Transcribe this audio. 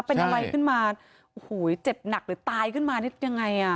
เป็นอะไรขึ้นมาโอ้โหเจ็บหนักหรือตายขึ้นมานี่ยังไงอ่ะ